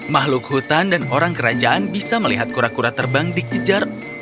makhluk hutan dan orang kerajaan bisa melihat kura kura terbang dikejar